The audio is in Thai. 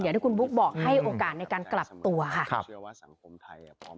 เดี๋ยวที่คุณบุ๊คบอกให้โอกาสในการกลับตัวค่ะ